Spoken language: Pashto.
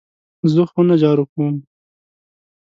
زه خونه جارو کوم .